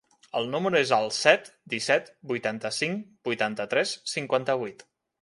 El meu número es el set, disset, vuitanta-cinc, vuitanta-tres, cinquanta-vuit.